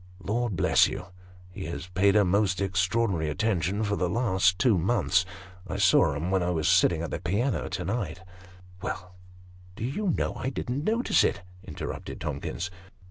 " Lord bless you, he has paid her most extraordinary attention for the last two months. I saw 'em when I was sitting at the piano to night," 232 Sketches by Boz. " Well, do you know I didn't notice it ?" interrupted Tomkins.